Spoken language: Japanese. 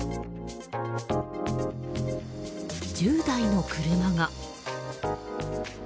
１０台の車が。